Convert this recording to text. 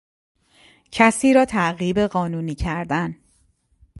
کسی را تعقیب قانونی کردن